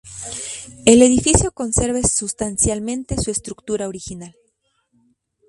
El edificio conserva sustancialmente su estructura original.